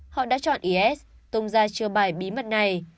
họ đã chọn is tung ra chiêu bài bí mật này